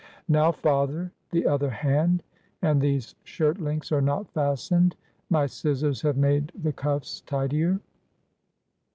" Now, father ! The other hand ! And these shirt links are not fastened! My scissors have made the cuffs tidier."